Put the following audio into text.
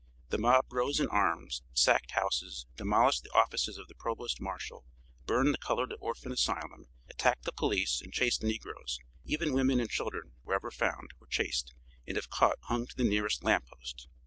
The mob rose in arms, sacked houses, demolished the offices of the provost marshal, burned the colored orphan asylum, attacked the police, and chased negroes; even women and children, wherever found, were chased, and if caught hung to the nearest lamp post.